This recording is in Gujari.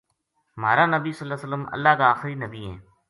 مہارنبی ﷺ اللہ کا آخری نبی ہیں۔